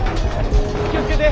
気を付けて！